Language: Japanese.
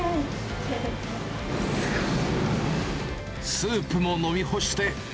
スープも飲み干して。